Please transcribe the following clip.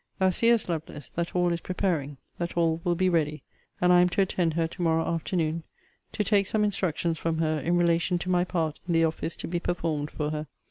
Thou seest, Lovelace, that all is preparing, that all will be ready; and I am to attend her to morrow afternoon, to take some instructions from her in relation to my part in the office to be performed for her.